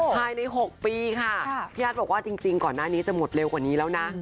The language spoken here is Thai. ภายใน๖ปีค่ะพี่อาร์ทบอกว่าจริงก่อนหน้านี้จะหมดเร็วกว่านี้แล้วนะ